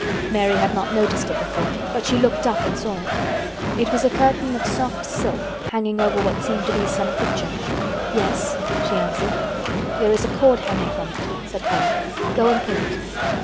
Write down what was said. Mary had not noticed it before, but she looked up and saw it. It was a curtain of soft silk hanging over what seemed to be some picture. "Yes," she answered. "There is a cord hanging from it," said Colin. "Go and pull it."